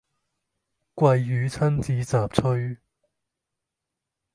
鮭魚親子雜炊